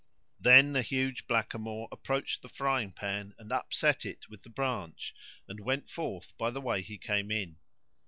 Then the huge blackamoor approached the frying pan and upset it with the branch and went forth by the way he came in.